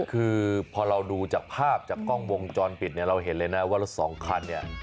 คือพอเราดูจากภาพจากกล้องวงจรปิดเนี่ยเราเห็นเลยนะว่ารถสองคันเนี่ย